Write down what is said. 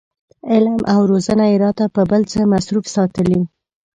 علم او روزنه یې راته په بل څه مصروف ساتلي.